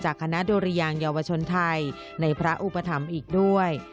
คณะดุริยางเยาวชนไทยในพระอุปถัมภ์อีกด้วย